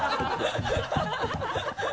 ハハハ